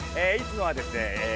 いつもはですね